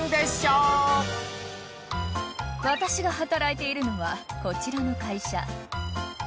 ［私が働いているのはこちらの会社］